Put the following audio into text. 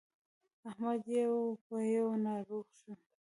احمد يو په يو ناروغ شو.